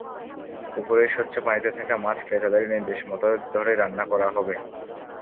পুকুরের স্বচ্ছ পানিতে থাকা মাছ ক্রেতাদের নির্দেশমতো ধরে রান্না করা হবে।